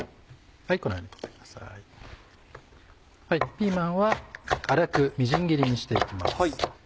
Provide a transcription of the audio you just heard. ピーマンは粗くみじん切りにして行きます。